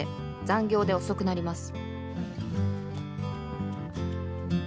残業で遅くなります」